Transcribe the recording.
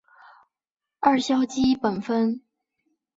二硝基苯酚